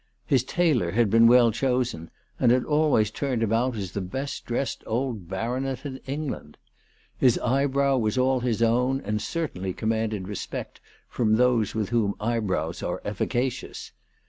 His tailor had been well chosen, and had always turned him out as the best dressed old baronet in England. His eyebrow was all his own, and certainly commanded respect from those with whom eyebrows are efficacious.